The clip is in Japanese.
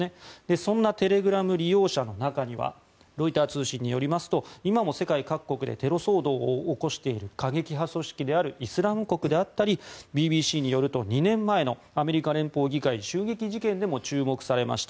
そんなテレグラム利用者の中にはロイター通信によりますと今も世界各国でテロ騒動を起こしている過激派組織であるイスラム国であったりＢＢＣによると２年前のアメリカ連邦議会襲撃事件でも注目されました